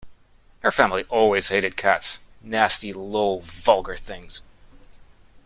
Our family always hated cats: nasty, low, vulgar things!